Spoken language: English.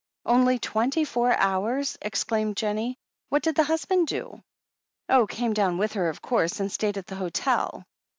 "Only twenty four hours!" exclaimed Jennie. "What did the husband do?" "Oh, came down with her, of course, and stayed at the hotel."